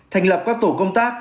thành lập các tổ công tác